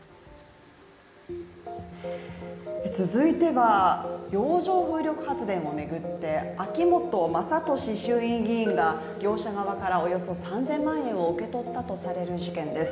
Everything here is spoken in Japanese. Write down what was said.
続いては、洋上風力発電を巡って秋本真利衆院議員が業者側からおよそ３０００万円を受け取ったとされる事件です